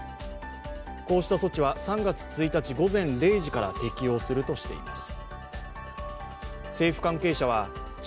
こうした措置は３月１日午前０時から適用するとしています。